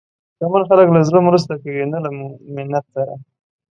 شتمن خلک له زړه مرسته کوي، نه له منت سره.